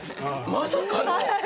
まさかの！